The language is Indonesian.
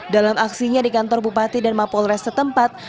dalam aksinya di kantor bupati dan mapolres setempat